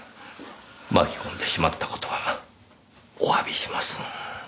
巻き込んでしまった事はおわびします。